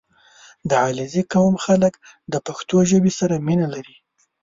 • د علیزي قوم خلک د پښتو ژبې سره مینه لري.